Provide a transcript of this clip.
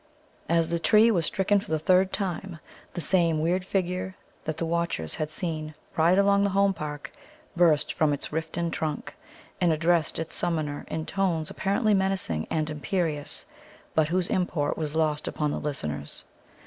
As the tree was stricken for the third time, the same weird figure that the watchers had seen ride along the Home Park burst from its riften trunk, and addressed its summoner in tones apparently menacing and imperious, but whose import was lost upon the listeners.